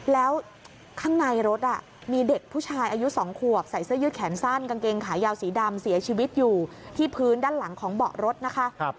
แล้วข้างในรถมีเด็กผู้ชายอายุ๒ขวบใส่เสื้อยืดแขนสั้นกางเกงขายาวสีดำเสียชีวิตอยู่ที่พื้นด้านหลังของเบาะรถนะคะ